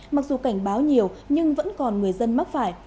mặc dù cảnh báo nhiều nhưng vẫn còn người dân mắc phải